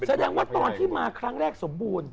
แสดงว่าตอนที่มาครั้งแรกสมบูรณ์